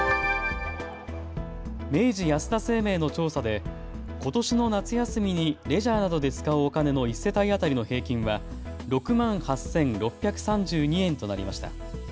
明治安田生命の調査でことしの夏休みにレジャーなどで使うお金の１世帯当たりの平均は６万８６３２円となりました。